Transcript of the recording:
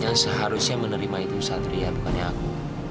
yang seharusnya menerima itu satria bukannya aku